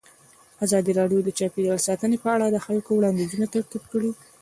ازادي راډیو د چاپیریال ساتنه په اړه د خلکو وړاندیزونه ترتیب کړي.